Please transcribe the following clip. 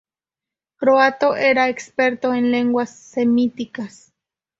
Croatto era experto en lenguas semíticas.